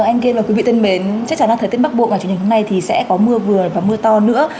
anh kim và quý vị thân mến chắc chắn là thời tiết bắc bộ mà chủ nhật hôm nay thì sẽ có mưa vừa và mưa to nữa